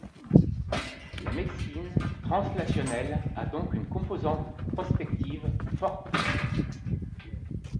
La médecine translationnelle a donc une composante prospective forte.